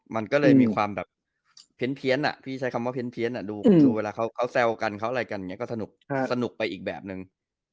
มันก็เลยมีความแบบเพี้ยนอะพี่ใช้คำว่าเพี้ยนอะดูเวลาเขาแซวกันเขาอะไรกันก็สนุกไปอีกแบบนึง